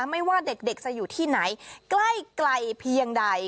ไม่ว่าเด็กจะอยู่ที่ไหนใกล้ไกลเพียงใด